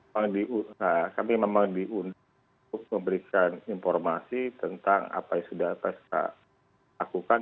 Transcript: karena kami memang diundang untuk memberikan informasi tentang apa yang sudah lpsk lakukan